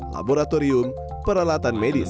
laboratorium peralatan medis